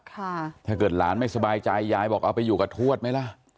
ถ้าเกิดหลานไม่สบายใจยายบอกเอาไปอยู่กับทวดไหมล่ะ